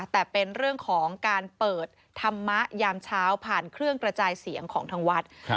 แต่เป็นเรื่องของการเปิดธรรมะยามเช้าผ่านเครื่องกระจายเสียงของทางวัด